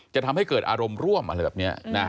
จะทำให้เกิดอารมณ์ร่วมอะไรแบบนี้นะ